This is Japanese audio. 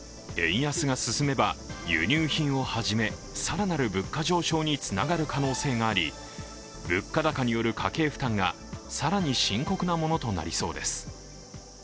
円安が進めば、輸入品をはじめ、更なる物価上昇につながる可能性があり物価高による家計負担が更に深刻なものとなりそうです。